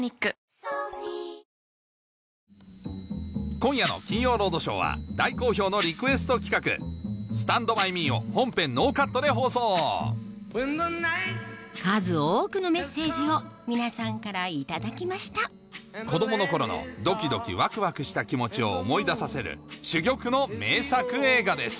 今夜の『金曜ロードショー』は大好評のリクエスト企画数多くのメッセージを皆さんから頂きました子供の頃のドキドキワクワクした気持ちを思い出させる珠玉の名作映画です